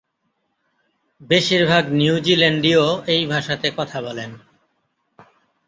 বেশির ভাগ নিউজিল্যান্ডীয় এই ভাষাতে কথা বলেন।